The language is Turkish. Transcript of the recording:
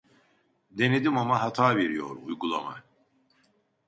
Denedim ama hata veriyor uygulama